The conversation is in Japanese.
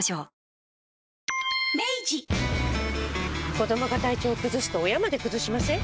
子どもが体調崩すと親まで崩しません？